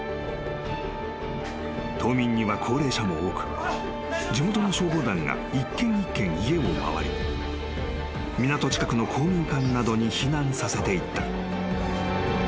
［島民には高齢者も多く地元の消防団が一軒一軒家を回り港近くの公民館などに避難させていった］